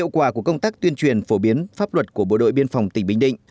quả của công tác tuyên truyền phổ biến pháp luật của bộ đội biên phòng tỉnh bình định